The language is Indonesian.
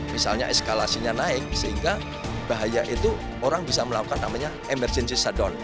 misalnya eskalasinya naik sehingga bahaya itu orang bisa melakukan namanya emergency shutdown